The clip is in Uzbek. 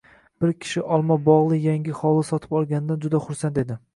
Bir kishi olma bogʻli yangi hovli sotib olganidan juda xursand edi.